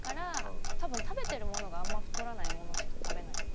多分食べてるものがあんまり太らないものしか食べないかも。